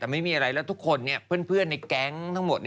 แต่ไม่มีอะไรแล้วทุกคนเพื่อนในแก๊งทั้งหมด